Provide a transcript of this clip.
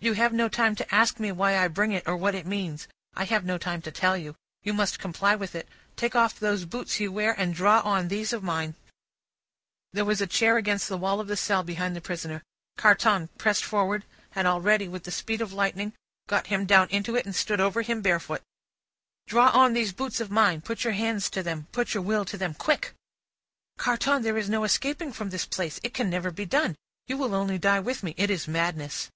"You have no time to ask me why I bring it, or what it means; I have no time to tell you. You must comply with it take off those boots you wear, and draw on these of mine." There was a chair against the wall of the cell, behind the prisoner. Carton, pressing forward, had already, with the speed of lightning, got him down into it, and stood over him, barefoot. "Draw on these boots of mine. Put your hands to them; put your will to them. Quick!" "Carton, there is no escaping from this place; it never can be done. You will only die with me. It is madness."